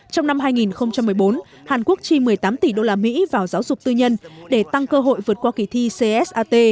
trong năm hai nghìn một mươi bốn hàn quốc chi một mươi tám tỷ usd vào giáo dục tư nhân để tăng cơ hội vượt qua kỳ thi csat